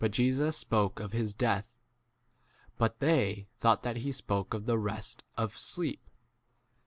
Jesus spoke of his death, but theij h thought that he spoke c of 14 the rest of sleep.